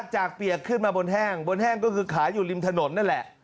เปียกขึ้นมาบนแห้งบนแห้งก็คือขายอยู่ริมถนนนั่นแหละ